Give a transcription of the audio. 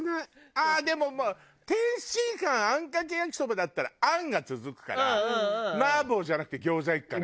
ああでも天津飯あんかけ焼きそばだったらあんが続くから麻婆じゃなくて餃子いくかな。